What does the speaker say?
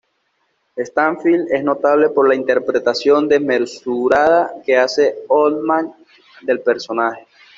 Stansfield es notable por la interpretación desmesurada que hace Oldman del personaje.